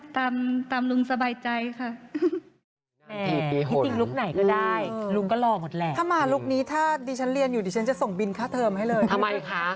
แล้วก็ลุกไหนก็ได้ตามตามลุงสบายใจค่ะ